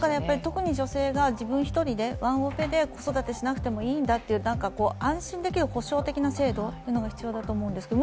特に女性が自分一人でワンオペで子育てしなくていいんだという安心できる補償的な制度が必要だと思うんですけど。